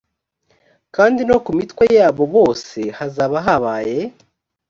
kandi no ku mitwe yabo bose hazaba habaye